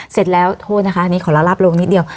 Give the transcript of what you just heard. เสร็จแล้วโทษนะคะอันนี้ขอละลาบลงนิดเดียว